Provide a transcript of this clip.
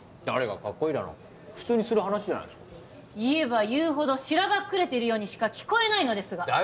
誰がかっこいいだの普通にする話じゃないすか言えば言うほどしらばっくれているようにしか聞こえないのですが！